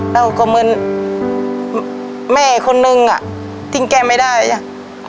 แล้วก็เหมือนแม่คนนึงอ่ะทิ้งแกไม่ได้อ่ะ